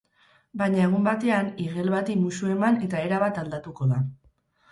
Baina egun batean igel bati muxu eman eta erabat aldatuko da.